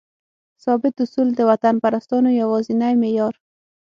ثابت اصول؛ د وطنپرستانو یوازینی معیار